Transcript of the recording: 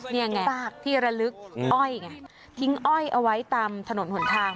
นี่ไงซากที่ระลึกอ้อยไงทิ้งอ้อยเอาไว้ตามถนนหนทาง